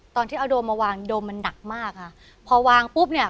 ตอนที่เอาโดมมาวางโดมมันหนักมากค่ะพอวางปุ๊บเนี่ย